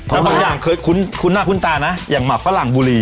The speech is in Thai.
แต่บางอย่างเคยคุ้นหน้าคุ้นตานะอย่างหมักฝรั่งบุรี